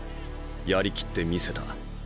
やり切ってみせた。